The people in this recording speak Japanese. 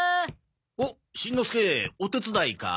おっしんのすけお手伝いか？